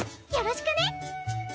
よろしくね！